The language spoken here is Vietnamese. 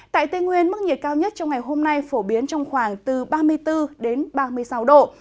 tại tây nguyên mức nhiệt cao nhất trong ngày hôm nay phổ biến trong khoảng từ ba mươi bốn đến ba mươi sáu độ